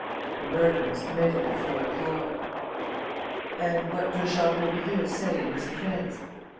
The murder was committed at four o'clock." "And what does Jacques Aubrieux say in his defence?"